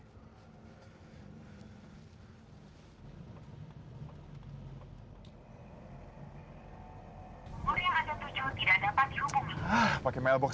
buri ada tujuh tidak dapat dihubungi